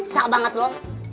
saat banget lu